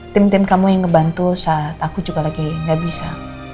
tim tim kamu yang ngebantu saat aku juga lagi gak bisa